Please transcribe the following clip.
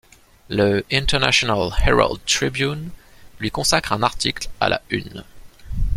Le International Herald Tribune lui consacre un article à la Une.